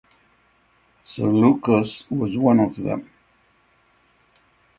Sir Lucas was one of them.